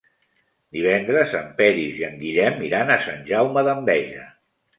Divendres en Peris i en Guillem iran a Sant Jaume d'Enveja.